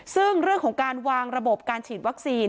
ซึ่งเรื่องของการวางระบบการฉีดวัคซีน